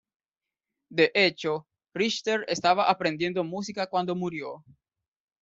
De hecho, Richter estaba aprendiendo música cuando murió.